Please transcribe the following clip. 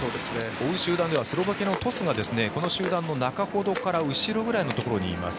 追う集団にはスロバキアのトスがこの集団の中ほどから後ろぐらいのところにいます。